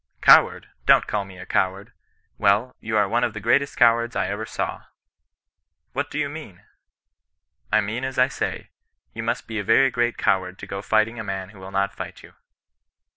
' Coward ! don't call me a coward.' * Well, you are one of the greatest cowards I ever saw.' * What do you mean Y * I mean as I say ; you must be a very great coward to go fighting a man who will not fight you.'